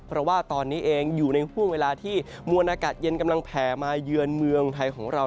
เพราะว่าตอนนี้เองอยู่ในห่วงเวลาที่มวลอากาศเย็นกำลังแผ่มาเยือนเมืองไทยของเรา